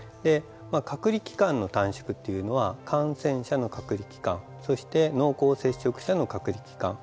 隔離期間の短縮というのは感染者の隔離期間そして濃厚接触者の隔離期間